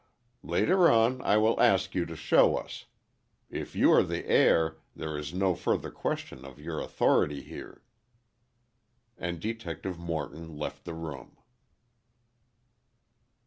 "Later on, I will ask you to show us. If you are the heir, there is no further question of your authority here." And Detective Morton left the room.